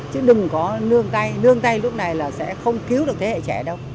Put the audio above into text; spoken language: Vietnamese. chứ đừng có nương tay nương tay lúc này là sẽ không cứu được thế hệ trẻ đâu